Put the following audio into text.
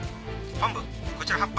本部こちら８班。